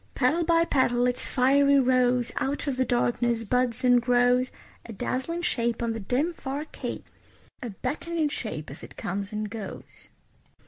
Petal by petal its fiery rose Out of the darkness buds and grows; A dazzling shape on the dim, far cape, A beckoning shape as it comes and goes.